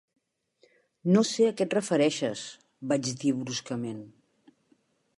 "No sé a què et refereixes", vaig dir bruscament.